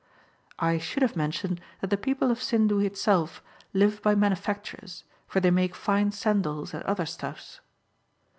I should have mentioned that the people of Sindu itself live bv manufactures, for they make fine sendals and other stuffs.'